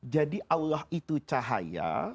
jadi allah itu cahaya